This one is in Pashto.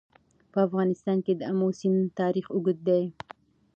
په افغانستان کې د آمو سیند تاریخ اوږد دی.